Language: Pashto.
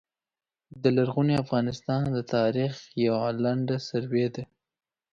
د لرغوني افغانستان د تاریخ یوع لنډه سروې ده